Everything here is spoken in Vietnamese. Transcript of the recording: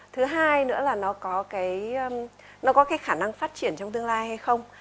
thứ hai nữa là nó có cái khả năng phát triển trong tương lai hay không